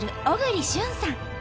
小栗旬さん。